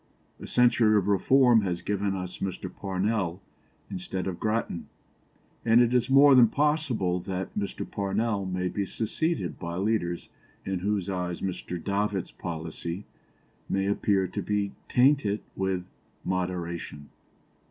A century of reform has given us Mr. Parnell instead of Grattan, and it is more than possible that Mr. Parnell may be succeeded by leaders in whose eyes Mr. Davitt's policy may appear to be tainted with moderation.